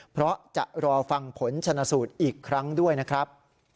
เพราะจะรอฟังผลชนะสูตรอีกครั้งด้วยนะครับ